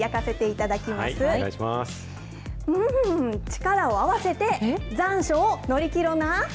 ×××、力を合わせて残暑を乗り切ろな。